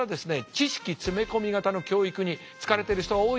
知識詰め込み型の教育に疲れてる人が多いでしょ。